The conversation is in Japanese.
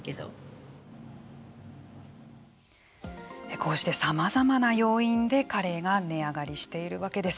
こうしてさまざまな要因でカレーが値上がりしているわけです。